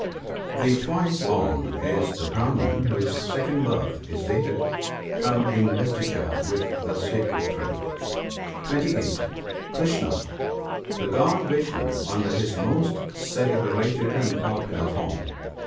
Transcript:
The twice born is the Brahman, whose second birth is dated from his investiture with the " sacred thread." (28.) Krishna, — The god Vishnoo under his most celebrated and popular form.